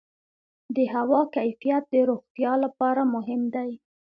د هوا کیفیت د روغتیا لپاره مهم دی.